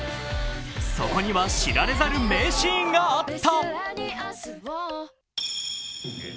そこには知られざる名シーンがあった。